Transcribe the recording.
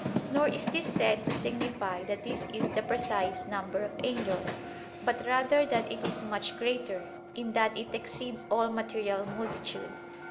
Nor is this said to signify that this is the precise number of angels, but rather that it is much greater, in that it exceeds all material multitude.